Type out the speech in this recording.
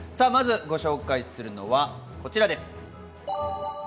まずご紹介するのはこちらです。